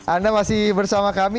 anda masih bersama kami